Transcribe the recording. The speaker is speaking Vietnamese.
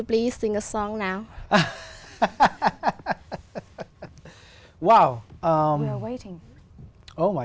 và khán giả